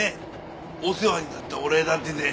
お世話になったお礼だってんで。